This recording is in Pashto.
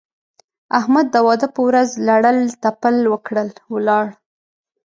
احمد د واده په ورځ لړل تپل وکړل؛ ولاړ.